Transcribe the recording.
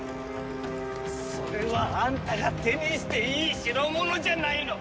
それはあんたが手にしていい代物じゃないの！